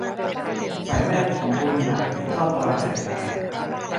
ฝ่ายแม่ของบุญหลายก็ตรอมใจตาย